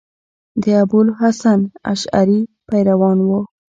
د ابو الحسن اشعري پیروان وو.